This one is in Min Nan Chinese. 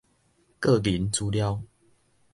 個人資料